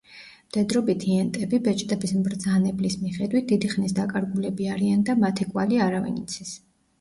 მდედრობითი ენტები, „ბეჭდების მბრძანებლის“ მიხედვით, დიდი ხნის დაკარგულები არიან და მათი კვალი არავინ იცის.